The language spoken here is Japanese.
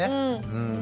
うん。